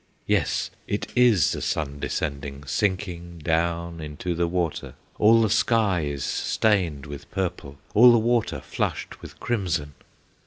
Yes; it is the sun descending, Sinking down into the water; All the sky is stained with purple, All the water flushed with crimson!